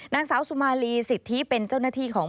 นางสาวสุมาลีสิทธิเป็นเจ้าหน้าที่ของ